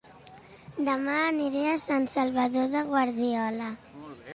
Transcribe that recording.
Dema aniré a Sant Salvador de Guardiola